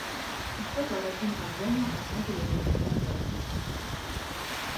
Ինչպես առաջին ալբոմը, այս մեկը ևս ստացավ պլատինե կարգավիճակ։